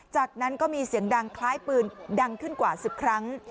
จากนั้นก็มีเสียงดังคล้ายปืนดังขึ้นกว่า๑๐ครั้ง